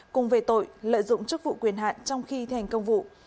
cùng về tội lợi dụng chức vụ quyền hạn trong khi thi hành công vụ